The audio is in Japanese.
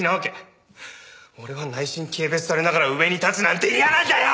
俺は内心軽蔑されながら上に立つなんて嫌なんだよ！